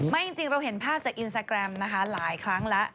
จริงเราเห็นภาพจากอินสตาแกรมนะคะหลายครั้งแล้ว